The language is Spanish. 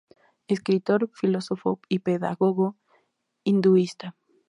Escritor, filósofo y pedagogo hinduista.